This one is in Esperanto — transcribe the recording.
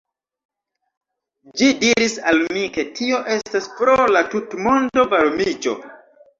Ĝi diris al mi ke tio estas pro la tutmondo varmiĝo